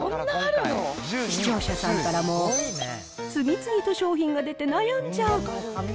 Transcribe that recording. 視聴者さんからも、次々と商品が出て悩んじゃう！